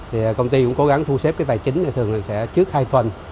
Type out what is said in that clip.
thì công ty cũng cố gắng thu xếp cái tài chính này thường là sẽ trước hai tuần